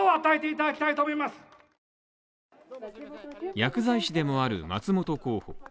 薬剤師でもある松本候補。